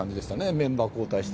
メンバー交代して。